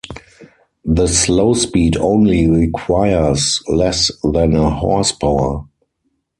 The slow speed only requires less than a horsepower.